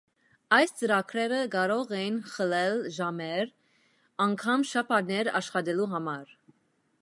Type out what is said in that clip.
Այս ծրագրերը կարող էին խլել ժամեր, անգամ շաբաթներ աշխատելու համար։